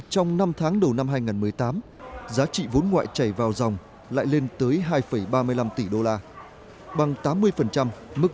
trong năm tháng đầu năm hai nghìn một mươi tám giá trị vốn ngoại chảy vào dòng lại lên tới hai ba mươi năm tỷ đô la bằng tám mươi mức